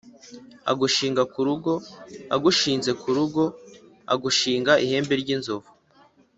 agushinga ku rugo agushinze ku rugo, agushinga ihembe ry'inzovu.